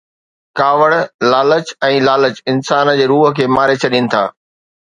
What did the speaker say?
ڪاوڙ، لالچ ۽ لالچ انسان جي روح کي ماري ڇڏين ٿا